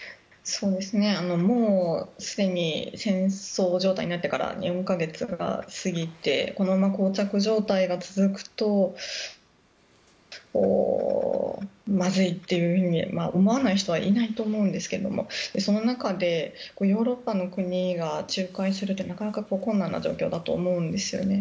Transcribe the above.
もうすでに戦争状態になってから４か月が過ぎてこのままこう着状態が続くとまずいと思わない人はいないと思うんですがその中で、ヨーロッパの国が仲介するってなかなか困難な状況だと思うんですよね。